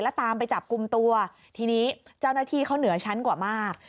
แล้วตามไปจับกลุ่มตัวทีนี้เจ้าหน้าที่เขาเหนือชั้นกว่ามาก